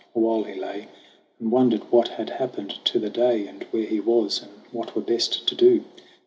Awhile he lay And wondered what had happened to the day And where he was and what were best to do.